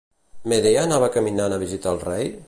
Medea anava caminant a visitar el rei?